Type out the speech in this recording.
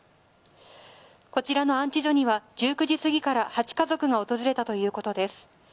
こちらの安置所には１９時すぎから８家族が訪れたということです。